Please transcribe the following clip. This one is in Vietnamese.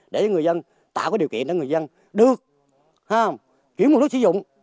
để người dân tạo cái điều kiện để người dân được kiểu một đất sử dụng